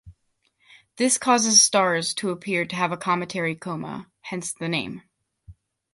This causes stars to appear to have a cometary coma, hence the name.